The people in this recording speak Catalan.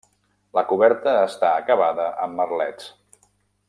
La coberta està acabada amb merlets.